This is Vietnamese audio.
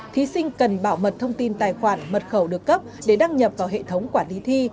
thí sinh cần bảo mật thông tin tài khoản mật khẩu được cấp để đăng nhập vào hệ thống quản lý thi